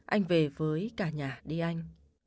anh về với cả nhà đi anh